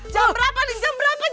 jam berapa dan jam berapa